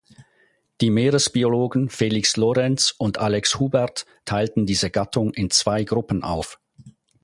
Die Meeresbiologen Felix Lorenz und Alex Hubert teilten diese Gattung in zwei Gruppen auf.